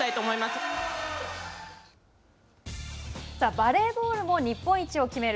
バレーボールも日本一を決める